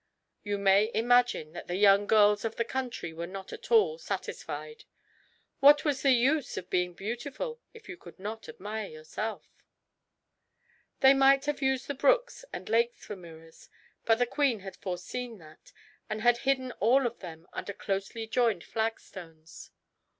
You may imagine that the young girls of the country were not at all satisfied. What was the use of being beautiful if you could not admire yourself? They might have used the brooks and lakes for mirrors; but the queen had foreseen that, and had hidden all of them under closely joined flagstones.